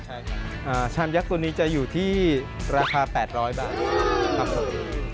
ใช่ครับชามยักษ์ตัวนี้จะอยู่ที่ราคา๘๐๐บาทครับผม